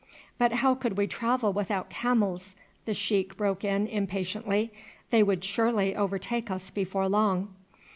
"But how could we travel without camels?" the sheik broke in impatiently; "they would surely overtake us before long."